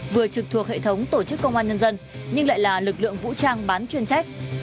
vừa trực thuộc hệ thống tổ chức công an nhân dân nhưng lại là lực lượng vũ trang bán chuyên trách